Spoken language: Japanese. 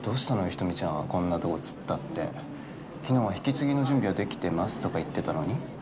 人見ちゃんこんなとこ突っ立って昨日は引き継ぎの準備はできてますとか言ってたのに？